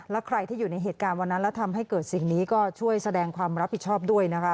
และใครที่อยู่ในเหตุการณ์วันนั้นแล้วทำให้เกิดสิ่งนี้ก็ช่วยแสดงความรับผิดชอบด้วยนะคะ